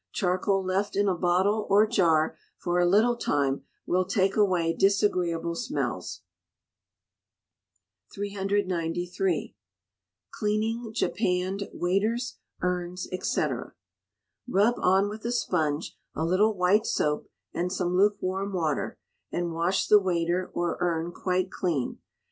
Charcoal left in a bottle or jar for a little time will take away disagreeable smells. 393. Cleaning Japanned Waiters, Urns, &c. Rub on with a sponge a little white soap and some lukewarm water, and wash the waiter or urn quite clean.